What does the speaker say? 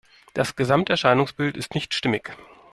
Das Gesamterscheinungsbild ist nicht stimmig.